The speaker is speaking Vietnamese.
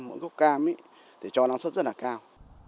mỗi gốc cam thì cho năng suất rất là cao